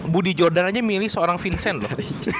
budi jordan aja milih seorang vincent loh